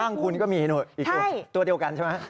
งคุณก็มีอีกตัวเดียวกันใช่ไหม